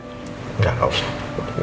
enggak enggak usah